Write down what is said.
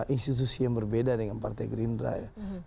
institusi yang berbeda dengan partai green dress